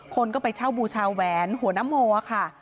คนก็ไปเช่าบูชาแหวนหัวนโมค่ะ